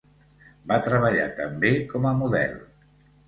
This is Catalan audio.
Va treballar també com a model.